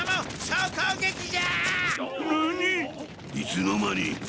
いつの間に？